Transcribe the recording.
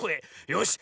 よし。